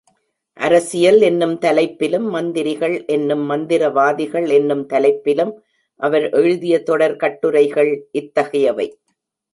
அரசியல் என்னும் தலைப்பிலும் மந்திரிகள் என்னும் மந்திரவாதிகள் என்னும் தலைப்பிலும் அவர் எழுதிய தொடர் கட்டுரைகள் இத்தகையவை.